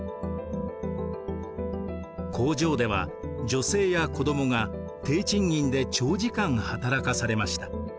工場では女性や子どもが低賃金で長時間働かされました。